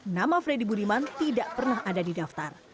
nama freddy budiman tidak pernah ada di daftar